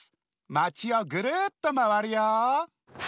まちをぐるっとまわるよ。